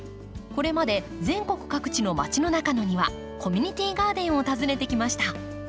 これまで全国各地のまちの中のニワコミュニティーガーデンを訪ねてきました。